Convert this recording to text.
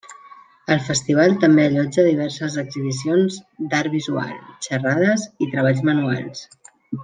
El festival també allotja diverses exhibicions d'art visual, xerrades i treballs manuals.